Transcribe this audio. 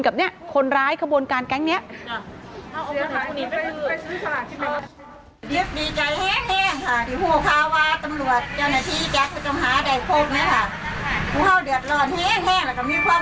อ๋อเจ้าสีสุข่าวของสิ้นพอได้ด้วย